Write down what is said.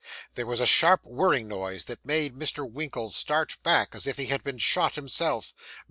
There was a sharp whirring noise, that made Mr. Winkle start back as if he had been shot himself.